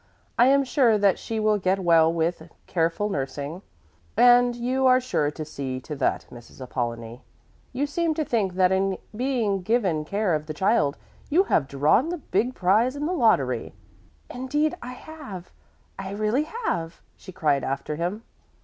I am sure that she will get well with careful nursing, and you are sure to see to that, Mrs. Apollonie. You seem to think that in being given care of the child you have drawn the big prize in the lottery." "Indeed I have. I really have," she cried after him.